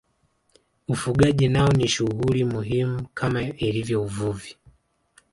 Ufugaji nao ni shughuli muhimu kama ilivyo uvuvi